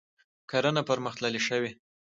کرنه پرمختللې شوې.